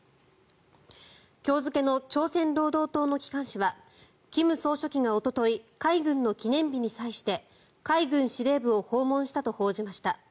今日付の朝鮮労働党の機関紙は金総書記がおととい海軍の記念日に際して海軍司令部を訪問したと報じました。